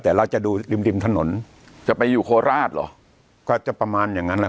แต่เราจะดูริมริมถนนจะไปอยู่โคราชเหรอก็จะประมาณอย่างนั้นแหละ